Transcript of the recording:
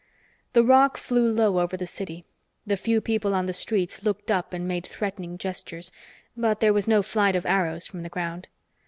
The roc flew low over the city. The few people on the streets looked up and made threatening gestures, but there was no flight of arrows from the ground.